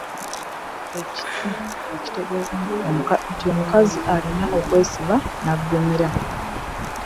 Ekiti, ekitegeeza nti omukazi alina okwesiba n’aggumira.